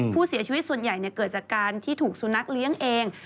ผู้เสียชีวิตส่วนใหญ่เกิดจากการที่ถูกสุนัขเลี้ยงเอง